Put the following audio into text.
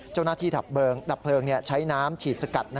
เจ้าหน้าที่ดับเพลิงใช้น้ำฉีดสกัด